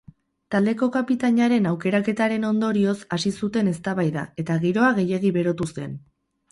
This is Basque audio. Taldeko kapitainaren aukeraketaren ondorioz hasi zuten eztabaida eta giroa gehiegi berotu zen.